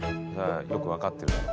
よく分かってるから。